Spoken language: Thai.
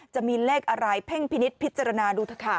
จะมีเลขอะไรเพ่งพินิษฐพิจารณาดูเถอะค่ะ